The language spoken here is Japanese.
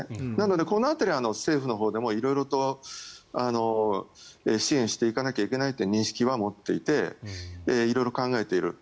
この辺りは政府のほうでも色々と支援していかないといけないという認識は持っていて色々考えている。